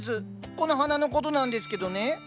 この花の事なんですけどね。